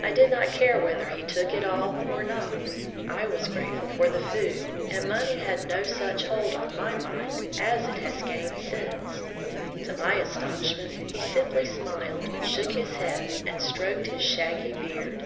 I did not care whether he took it all or not. I was grateful for the food, and money had 36 On the White Man*s Trail no such hold on my mind as it has gained since. To my astonishment, he simply smiled, shook his head, and stroked his shaggy beard.